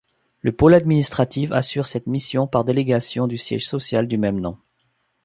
Le pôle administratif assure cette mission par délégation du siège social du même nom.